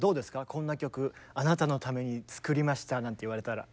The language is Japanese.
こんな曲あなたのために作りましたなんて言われたら。